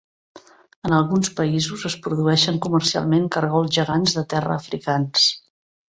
En alguns països, es produeixen comercialment cargols gegants de terra africans.